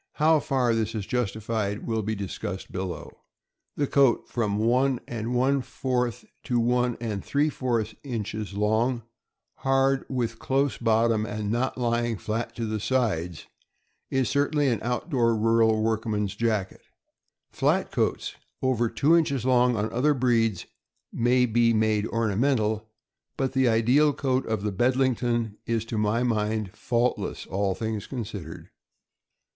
How far this is justified will be discussed below. This coat, from one and one fourth to one and three fourths inches long, c ' hard, with close bottom, and not lying flat to sides," is certainly an outdoor rural workman's jacket. Flat coats, over two inches long, on other breeds may be made ornamental; but the ideal coat of the Bedling ton is, to my mind, faultless, all things considered.